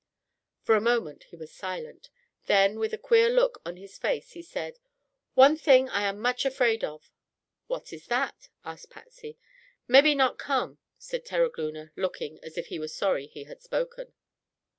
For a moment he was silent; then with a queer look on his face he said: "One thing I am much afraid of." "What is that?" asked Patsy. "Mebby not come," said Terogloona, looking as if he was sorry he had spoken.